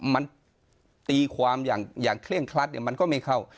มันตีความอย่างเคร่งครัดมันก็ไม่เข้า